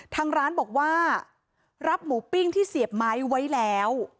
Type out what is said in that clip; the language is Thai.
ทางร้านบอกว่ารับหมูปิ้งที่เสียบไม้ไว้แล้ว